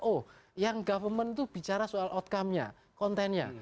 oh yang government itu bicara soal outcome nya kontennya